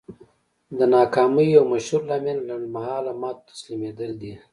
د ناکامۍ يو مشهور لامل لنډ مهاله ماتو ته تسليمېدل دي.